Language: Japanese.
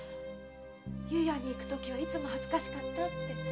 湯屋に行くときはいつも恥ずかしかったって。